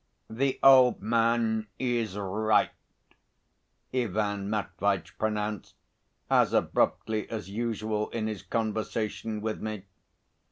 "The old man is right," Ivan Matveitch pronounced as abruptly as usual in his conversation with me.